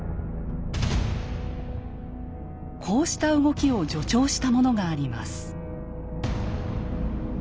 こうした動きを助長したものがあります。